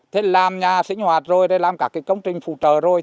thế làm nhà sinh hoạt rồi đây làm cả cái công trình phục vụ